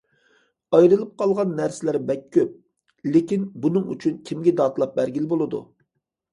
ئايرىلىپ قالغان نەرسىلەر بەك كۆپ، لېكىن بۇنىڭ ئۈچۈن كىمگە دادلاپ بەرگىلى بولىدۇ.